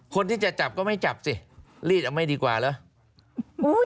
คนที่จะจับก็ไม่จับสิรีดเอาไม่ดีกว่าเหรอ